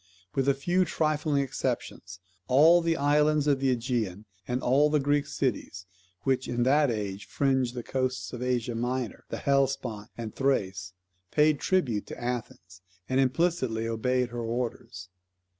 With a few trifling exceptions, all the islands of the AEgean, and all the Greek cities, which in that age fringed the coasts of Asia Minor, the Hellespont, and Thrace paid tribute to Athens, and implicitly obeyed her orders.